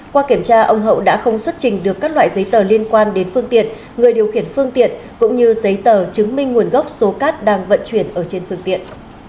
qua kiểm tra ông hậu đã không xuất trình được các loại giấy tờ liên quan đến phương tiện người điều khiển phương tiện cũng như giấy tờ chứng minh nguồn gốc số cát đang vận chuyển ở trên phương tiện